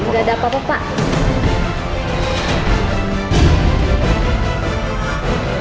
nggak ada apa apa pak